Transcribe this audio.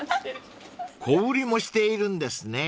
［小売りもしているんですね］